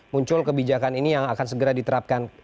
muncul kebijakan ini yang akan segera diterapkan